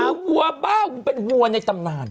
คือหัวบ้าเป็นหัวในตำนาน